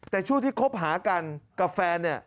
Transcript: แต่ช่วงที่คบหากันกับแฟนเนี่ย